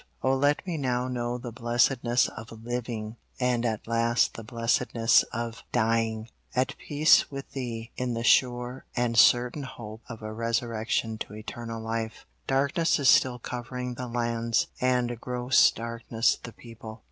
Oh let me now know the blessedness of living, and at last the blessedness of dying, at peace with Thee, in the sure and certain hope of a resurrection to eternal life. Darkness is still covering the lands, and gross darkness the people.